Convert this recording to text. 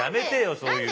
そういうの。